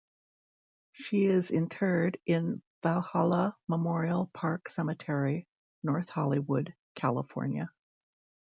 She is interred in Valhalla Memorial Park Cemetery, North Hollywood, California.